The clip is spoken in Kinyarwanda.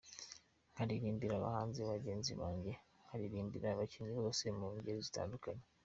Nkaririmbira abahanzi bagenzi banjye, nkaririmbira abakinnyii bose mu ngeri zitandukanye.